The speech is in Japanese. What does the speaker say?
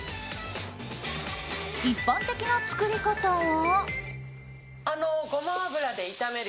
一般的な作り方は。